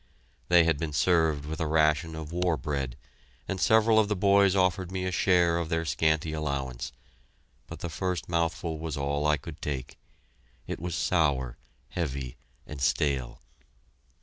They had been served with a ration of war bread, and several of the boys offered me a share of their scanty allowance, but the first mouthful was all I could take. It was sour, heavy, and stale.